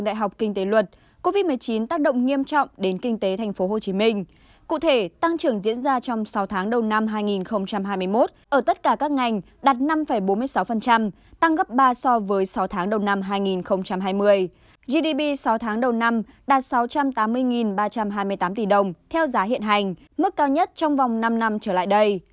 gdp sáu tháng đầu năm đạt sáu trăm tám mươi ba trăm hai mươi tám tỷ đồng theo giá hiện hành mức cao nhất trong vòng năm năm trở lại đây